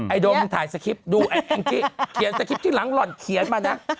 ไอ้โดมถ่ายสกิปดูไอ้อิงกิเขียนสกิปที่หลังหล่อนเขียนมานะ